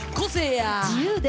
自由で。